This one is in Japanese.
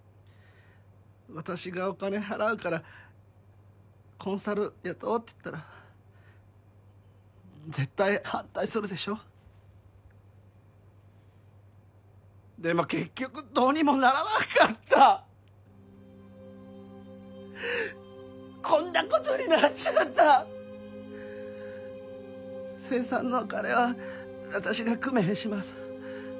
私がお金払うからコンサル雇おうって言ったら絶対反対するでしょでも結局どうにもならなかったこんなことになっちゃった精算のお金は私が工面します